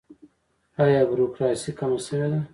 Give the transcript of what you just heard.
آیا بروکراسي کمه شوې ده؟